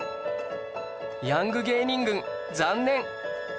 ヤング芸人軍残念